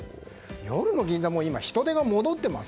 夜の銀座も今、人出が戻っています。